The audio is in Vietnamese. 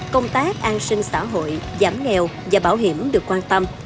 công tác an sinh xã hội giảm nghèo và bảo hiểm được quan tâm